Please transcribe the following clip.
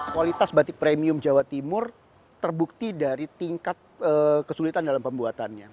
kualitas batik premium jawa timur terbukti dari tingkat kesulitan dalam pembuatannya